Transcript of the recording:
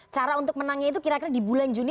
cara untuk menangnya itu kira kira di bulan juni